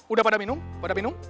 udah pada minum